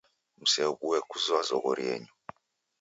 Mseobuo kuzoya zoghori yenyu.